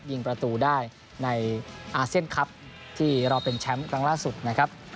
ยิงประตูได้ในอาเซียนคลับที่เราเป็นแชมป์ครั้งล่าสุดนะครับ